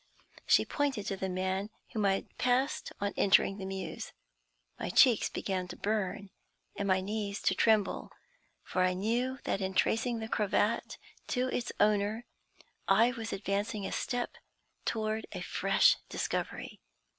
She pointed to the man whom I had passed on entering the Mews. My cheeks began to burn and my knees to tremble, for I knew that in tracing the cravat to its owner I was advancing a step toward a fresh discovery.